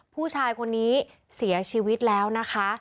ผู้ชายคนนี้เสียชีวิตแล้วนะคะ